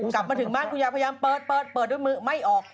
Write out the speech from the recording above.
กลับมาถึงบ้านคุณยายพยายามเปิดเปิดด้วยมือไม่ออก